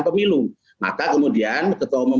pemilu maka kemudian ketua umum